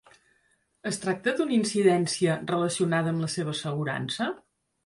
Es tracta d'una incidència relacionada amb la seva assegurança?